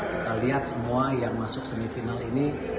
kita lihat semua yang masuk semifinal ini